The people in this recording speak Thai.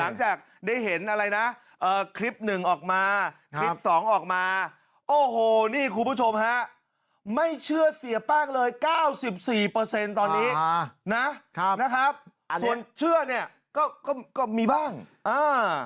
นะครับนะครับอันเนี้ยส่วนเชื่อเนี้ยก็ก็ก็มีบ้างอ่า